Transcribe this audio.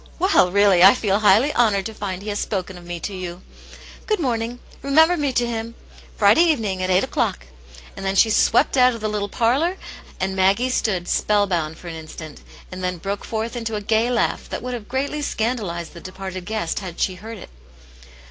Well, really I feel highly honoured to find he has spoken of me to you. Good morning ; remember me to him ; Friday evening, at eight o'clock." And then she swept out of the little parlour, and Maggie stood spell bound for an instant, and then broke forth into a gay laugh that would have greatly scandalized the departed guest, had she heard it.